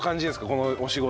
このお仕事。